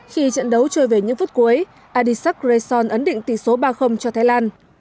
khi trận đấu trôi về những phút cuối adisak grayson ấn định tỷ số ba cho thái lan